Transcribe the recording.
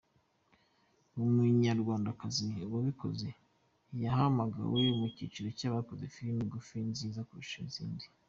Uyu munyarwandakazi wayikoze yahamagawe mu cyiciro cy’abakoze filime ngufi nziza kurusha izindi.